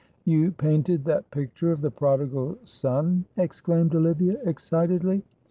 "You painted that picture of the Prodigal Son!" exclaimed Olivia, excitedly.